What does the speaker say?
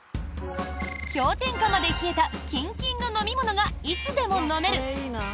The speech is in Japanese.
氷点下まで冷えたキンキンの飲み物がいつでも飲めるＯＮ℃ＺＯＮＥ